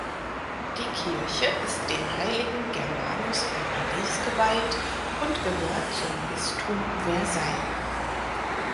Die Kirche ist dem heiligen Germanus von Paris geweiht und gehört zum Bistum Versailles.